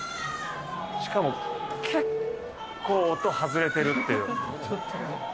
しかも、結構、音外れてるっていう。